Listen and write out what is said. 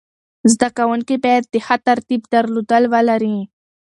زده کوونکي باید د ښه تربیت درلودل ولري.